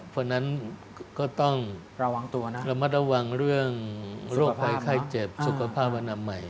เพราะนั้นก็ต้องระมัดระวังเรื่องโรคภัยไข้เจ็บสุขภาพอนามใหม่